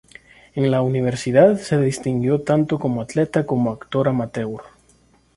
En la universidad se distinguió tanto como atleta como actor amateur.